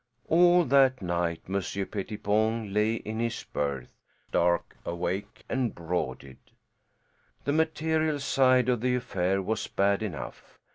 All that night Monsieur Pettipon lay in his berth, stark awake, and brooded. The material side of the affair was bad enough.